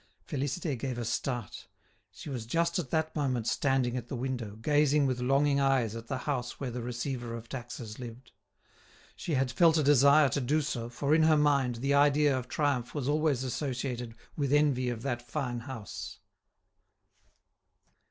Félicité gave a start. She was just at that moment standing at the window, gazing with longing eyes at the house where the receiver of taxes lived. She had felt a desire to do so, for in her mind the idea of triumph was always associated with envy of that fine house.